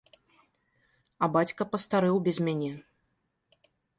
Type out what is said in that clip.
А бацька пастарэў без мяне.